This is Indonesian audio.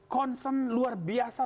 konsen luar biasa